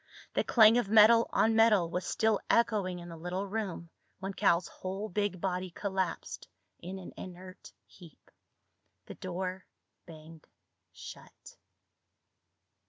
The clang of metal on metal was still echoing in the little room when Cal's whole big body collapsed in an inert heap. The door banged shut.